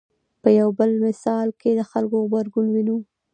په یو بل مثال کې د خلکو غبرګون وینو.